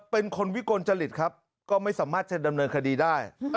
เป็นคนวิกลจริตครับก็ไม่สามารถจะดำเนินคดีได้